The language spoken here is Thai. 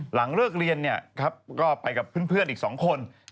หลังเลิกเรียนก็ไปกับเพื่อนอีก๒คน